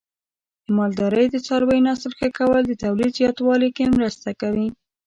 د مالدارۍ د څارویو نسل ښه کول د تولید زیاتوالي کې مرسته کوي.